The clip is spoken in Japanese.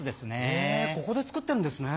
へぇここで作ってるんですね。